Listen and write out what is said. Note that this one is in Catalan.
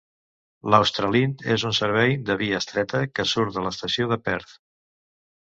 L'"Australind" és un servei de via estreta que surt de l'estació de Perth.